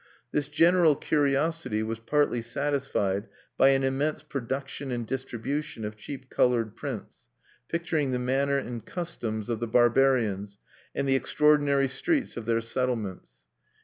This general curiosity was partly satisfied by an immense production and distribution of cheap colored prints, picturing the manner and customs of the barbarians, and the extraordinary streets of their settlements.